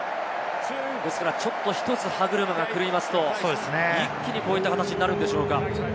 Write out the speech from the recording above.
ですから、ちょっと１つ歯車が狂うと一気にこういった形になるんでしょうか？